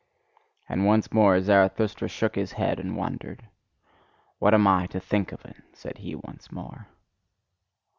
And once more Zarathustra shook his head and wondered. "What am I to think of it!" said he once more.